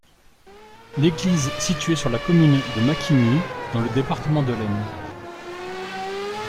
L'église est située sur la commune de Macquigny, dans le département de l'Aisne.